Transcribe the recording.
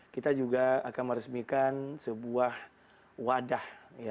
kita juga akan meresmikan sebuah wadah